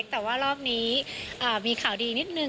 แต่ว่ารอบนี้มีข่าวดีนิดนึง